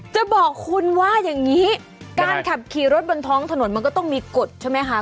จะบอกคุณว่าอย่างนี้การขับขี่รถบนท้องถนนมันก็ต้องมีกฎใช่ไหมคะ